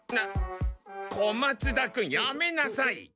小松田君やめなさい！